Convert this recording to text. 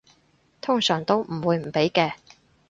通常都唔會唔俾嘅